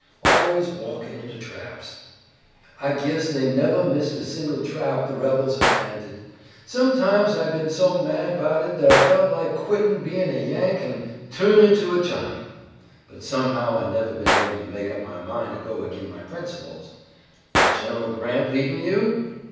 Always walkin' into traps. I guess they've nevah missed a single trap the rebels have planted. Sometimes I've been so mad 'bout it that I've felt like quittin' bein' a Yank an' tu'nin' to a Johnny. But somehow I've nevah been able to make up my mind to go ag'in my principles. Is Gen'ral Grant leadin' you?"